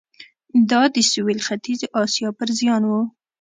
دا د سوېل ختیځې اسیا پر زیان و.